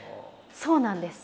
そうなんです。